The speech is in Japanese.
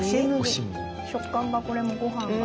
食感がこれもごはんが。